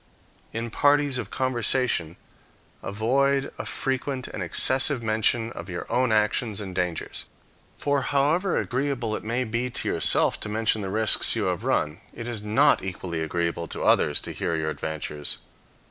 In parties of conversation, avoid a frequent and excessive mention of your own actions and dangers. For, however agreeable it may be to yourself to mention the risks you have run, it is not equally agreeable to others to hear your adventures.